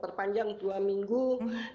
mereka sudah selesai belajar